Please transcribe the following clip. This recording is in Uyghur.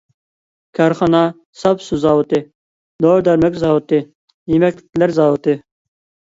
كارخانا ساپ سۇ زاۋۇتى، دورا-دەرمەك زاۋۇتى, يېمەكلىكلەر زاۋۇتى.